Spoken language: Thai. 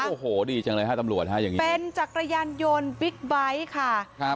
โอ้โหดีจังเลยฮะตำรวจฮะอย่างนี้เป็นจักรยานยนต์บิ๊กไบท์ค่ะครับ